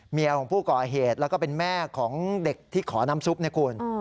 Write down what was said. ของผู้ก่อเหตุแล้วก็เป็นแม่ของเด็กที่ขอน้ำซุปนะคุณ